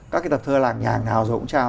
các cái tập thơ lạc nhàng nào rồi cũng trao